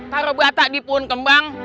taruh batak di pohon kembang